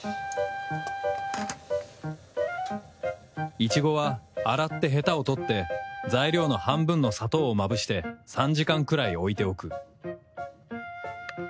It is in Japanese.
イチゴは洗ってヘタを取って材料の半分の砂糖をまぶして３時間くらい置いておく